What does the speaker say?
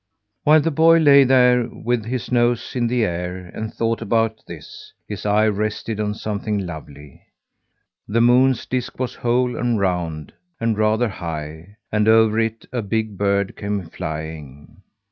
While the boy lay there with his nose in the air and thought about this, his eye rested on something lovely! The moon's disc was whole and round, and rather high, and over it a big bird came flying.